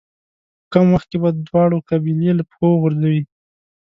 په کم وخت کې به دواړه قبيلې له پښو وغورځوو.